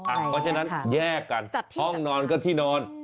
เพราะฉะนั้นแยกกันห้องนอนก็ที่นอน